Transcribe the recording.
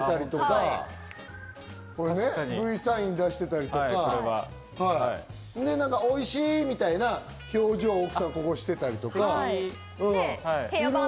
Ｖサインを出していたりとか、おいしいみたいな表情を奥さんはしていたりとか。